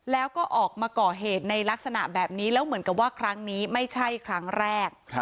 แล้วก็ออกมาก่อเหตุในลักษณะแบบนี้แล้วเหมือนกับว่าครั้งนี้ไม่ใช่ครั้งแรก